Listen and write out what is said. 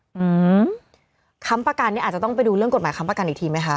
อืมค้ำประกันนี่อาจจะต้องไปดูเรื่องกฎหมายค้ำประกันอีกทีไหมคะ